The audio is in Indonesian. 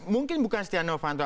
mungkin bukan siti novanto